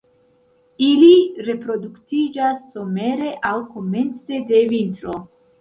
Ili reproduktiĝas somere aŭ komence de vintro.